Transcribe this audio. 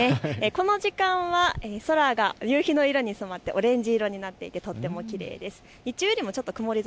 この時間は空が夕日の色に染まってオレンジ色でとてもきれいです。